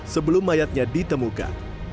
sebelum mayatnya ditemukan